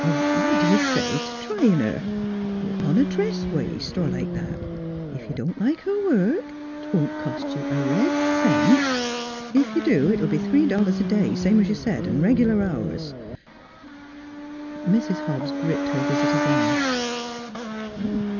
... What d' ye say t' t' tryin' her, on a dress waist, er like that? Ef you don't like her work, 't won't cost you a red cent. Ef you do, it'll be three dol lars a day, same 's you said, 'n' reg'lar hours." NEIGHBORS 37 Mrs. Hobbs gripped her visitor's arm.